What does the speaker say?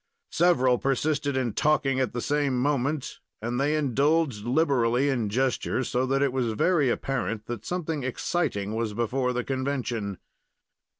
Several persisted in talking at the same moment, and they indulged liberally in gesture, so that it was very apparent that something exciting was before the convention.